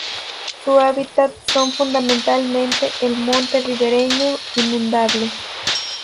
Su hábitat son fundamentalmente el monte ribereño inundable.